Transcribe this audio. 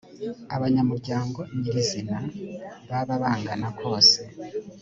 abanyamuryango nyirizina baba bangana kose